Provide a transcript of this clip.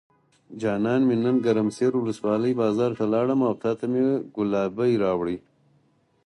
جان مې نن ګرم سر ولسوالۍ بازار ته لاړم او تاته مې ګلابي راوړې.